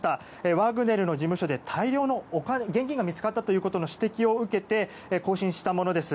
ワグネルの事務所で大量の現金が見つかったとの指摘を受けて更新したものです。